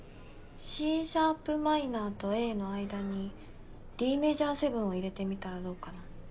ＣシャープマイナーとＡの間にＤメジャーセブンを入れてみたらどうかな？